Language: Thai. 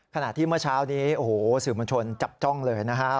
ขณะที่เมื่อเช้านี้โอ้โหสื่อมวลชนจับจ้องเลยนะครับ